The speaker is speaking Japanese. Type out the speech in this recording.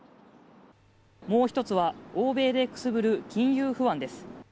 もう一つは、欧米でくすぶる金融不安です。